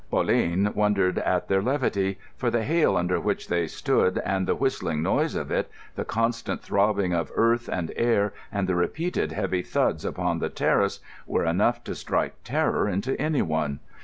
Pauline wondered at their levity; for the hail under which they stood and the whistling noise of it, the constant throbbing of earth and air and the repeated heavy thuds upon the terrace were enough to strike terror into anyone.